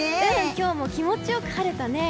今日も気持ち良く晴れたね！